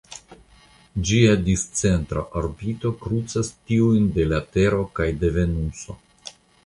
Ĝia discentra orbito krucas tiujn de la Tero kaj de Venuso.